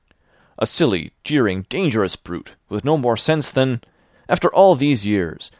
"A silly, jeering, dangerous brute, with no more sense than—After all these years!